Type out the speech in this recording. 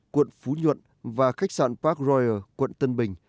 quận phú nhuận và khách sạn park royal quận tân bình